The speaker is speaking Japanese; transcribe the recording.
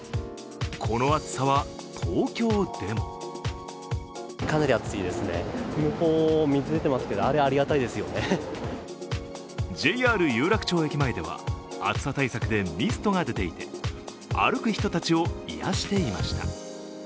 この暑さは東京でもＪＲ有楽町駅前では、暑さ対策でミストが出ていて、歩く人たちを、癒やしていました。